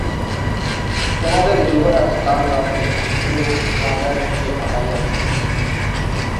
তােমাদের যুবরাজ কাল রাত্রে বুড় রাজার সঙ্গে পালাইয়াছে।